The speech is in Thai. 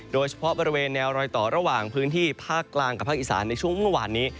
โดยเฉพาะบริเวณแนวรอยต่อระหว่างพื้นที่ภาคกลางกับภาคอีสานในช่วงเมื่อวานนี้